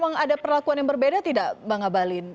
memang ada perlakuan yang berbeda tidak bang abalin